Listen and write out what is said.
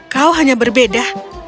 kau hanya berbeda